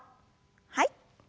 はい。